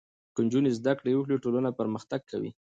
که نجونې زده کړې وکړي ټولنه پرمختګ کوي.